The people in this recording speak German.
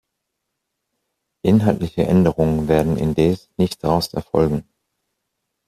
Inhaltliche Änderungen werden indes nicht daraus erfolgen.